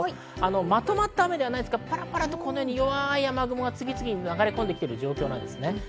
まとまった雨ではないんですがパラパラと弱い雨雲が次々、流れ込んでいます。